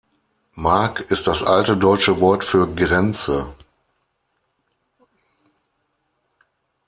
Mark ist das alte deutsche Wort für Grenze.